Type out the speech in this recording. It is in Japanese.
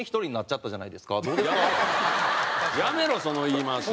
やめろその言い回し。